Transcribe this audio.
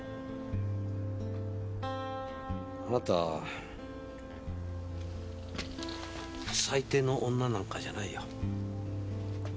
あなた最低の女なんかじゃないよ。